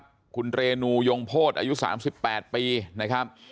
ในคลิปคนนึงนะครับคุณเรนูยงโพธอายุ๓๘ปีนะครับ